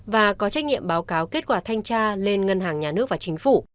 và có trách nhiệm báo cáo kết quả thanh tra lên ngân hàng nhà nước và chính phủ